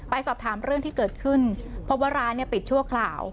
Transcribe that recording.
สอบถามเรื่องที่เกิดขึ้นเพราะว่าร้านเนี่ยปิดชั่วคราว